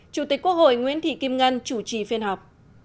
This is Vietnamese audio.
chủ tịch quốc hội nguyễn thị kim ngân chủ trì phiên họp